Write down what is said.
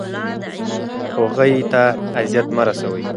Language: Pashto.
هغوی ته اذیت مه رسوئ.